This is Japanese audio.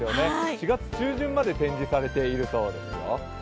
４月中旬まで展示されているそうですよ。